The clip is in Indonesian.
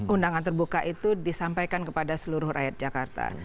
undangan terbuka itu disampaikan kepada seluruh rakyat jakarta